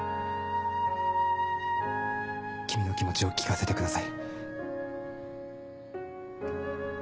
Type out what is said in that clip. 君の気持ちを聞かせてください。